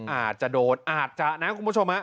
อาจจะโดนอาจจะนะคุณผู้ชม